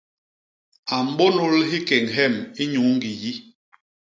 A mbônôl hikéñ hyem inyuu ñgiyi.